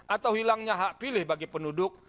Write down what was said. atau hilangnya hak pilih bagi penduduk